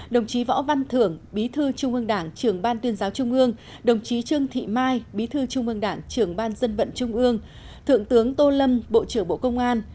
đồng chí võ văn thưởng bí thư trung ương đảng trưởng ban tuyên giáo trung ương đồng chí trương thị mai bí thư trung ương đảng trưởng ban dân vận trung ương thượng tướng tô lâm bộ trưởng bộ công an